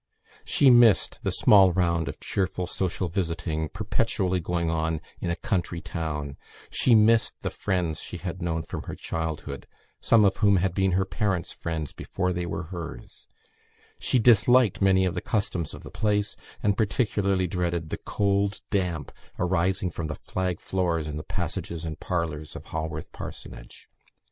She missed the small round of cheerful, social visiting perpetually going on in a country town; she missed the friends she had known from her childhood, some of whom had been her parents' friends before they were hers; she disliked many of the customs of the place, and particularly dreaded the cold damp arising from the flag floors in the passages and parlours of Haworth Parsonage.